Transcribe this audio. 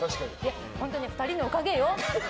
本当に２人のおかげよ。